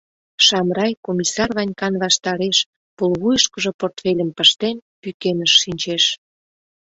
Шамрай Комиссар Ванькан ваштареш, пулвуйышкыжо портфельым пыштен, пӱкеныш шинчеш.